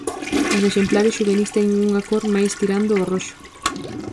Os exemplares xuvenís teñen unha cor máis tirando ao roxo.